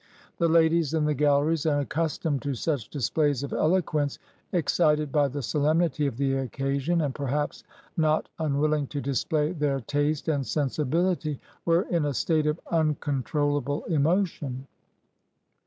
The ladies in the galleries, unaccustomed to such displays of eloquence, excited by the solemnity of the occasion, and perhaps not unwilhng to display their taste and sensibility, were in a state of uncontrollable emotion.